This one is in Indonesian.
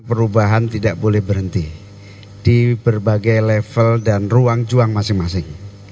perubahan tidak boleh berhenti di berbagai level dan ruang juang masing masing